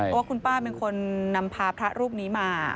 ก็คุณป้าเป็นคนนำพาพระรูปนี้มา